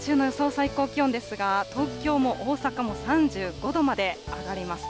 最高気温ですが、東京も大阪も３５度まで上がります。